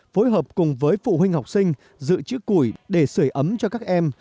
phối hợp cùng với phụ huynh học sinh dự trữ củi để sửa ấm cho các em